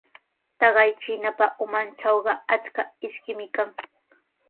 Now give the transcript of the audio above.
Taqay chiinapa umantrawqa achka ishkimi kan.